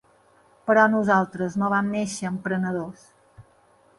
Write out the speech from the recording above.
Però nosaltres no vam néixer emprenedors.